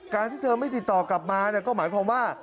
ที่เธอไม่ติดต่อกลับมาก็หมายความว่า